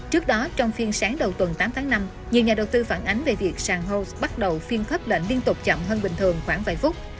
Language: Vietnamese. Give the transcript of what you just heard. trước đó trong phiên sáng đầu tuần tám tháng năm nhiều nhà đầu tư phản ánh về việc sàn ho bắt đầu phiên khấp lệnh liên tục chậm hơn bình thường khoảng vài phút